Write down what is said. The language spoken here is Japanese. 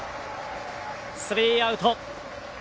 スリーアウト。